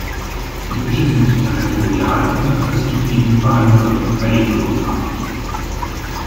Die Fische sind territorial und aggressiv gegenüber anderen "Chaetodon"-Arten.